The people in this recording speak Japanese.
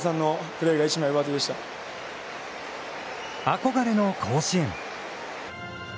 憧れの甲子園。